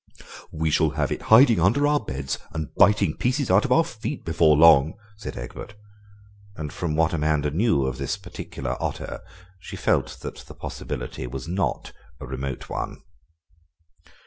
"We shall have it hiding under our beds and biting pieces out of our feet before long," said Egbert, and from what Amanda knew of this particular otter she felt that the possibility was not a remote one.